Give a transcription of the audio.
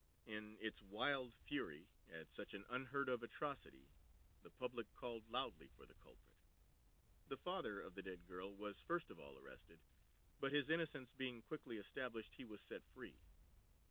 In its wild fury at such an unheard of atrocity the public called loudly for the culprit. The father of the dead girl was first of all arrested, but his innocence being quickly established, he was set free.